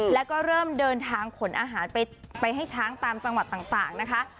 แล้วก็เริ่มเดินทางขนอาหารไปให้ช้างตามจังหวัดต่างนะคะ